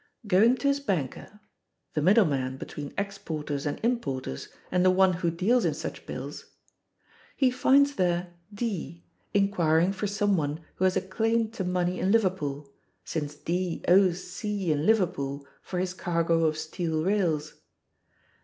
Going to his banker (the middle man between exporters and importers and the one who deals in such bills) he finds there D, inquiring for some one who has a claim to money in Liverpool, since D owes C in Liverpool for his cargo of steel rails.